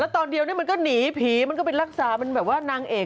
และตอนเดียวเนี่ยมันก็หนีผีมันก็เป็นรักษามันนางเอก